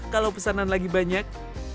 kalau pesanan lagi banyak